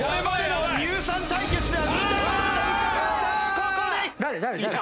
ここで。